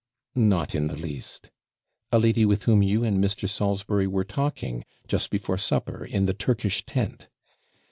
'Not in the least.' 'A lady with whom you and Mr. Salisbury were talking, just before supper, in the Turkish tent.'